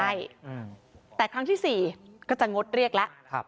ใช่แต่ครั้งที่๔ก็จะงดเรียกแล้ว